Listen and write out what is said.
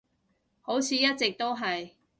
好似一直都係